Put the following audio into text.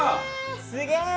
すげえ！